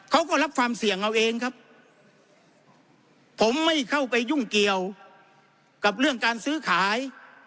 เขาก็รับความเสี่ยงเอาเองครับผมไม่เข้าไปยุ่งเกี่ยวกับเรื่องการซื้อขาย